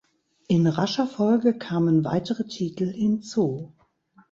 In rascher Folge kamen weitere Titel hinzu.